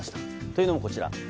というのも、こちら。